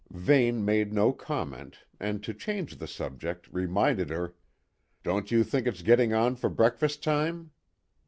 Vane made no comment, and to change the subject, reminded her: "Don't you think it's getting on for breakfast time?"